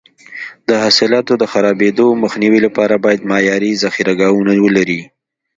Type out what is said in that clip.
د حاصلاتو د خرابېدو مخنیوي لپاره باید معیاري ذخیره ګاهونه ولري.